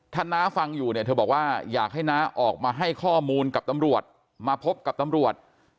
ถ้าน้าฟังอยู่เนี่ยเธอบอกว่าอยากให้น้าออกมาให้ข้อมูลกับตำรวจมาพบกับตำรวจ